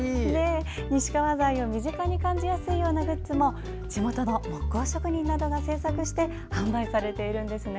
西川材を身近に感じやすいグッズも地元の木工職人などが制作して販売されているんですね。